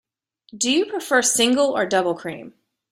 Do you prefer single or double cream?